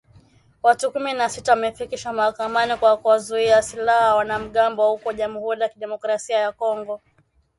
Watu kumi na sita wamefikishwa mahakamani kwa kuwauzia silaha wanamgambo huko Jamuhuri ya Kidemokrasia ya Kongo